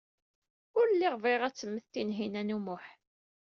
Ur lliɣ bɣiɣ ad temmet Tinhinan u Muḥ.